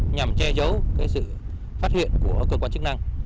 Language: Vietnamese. nhằm che giấu sự phát hiện của cơ quan chức năng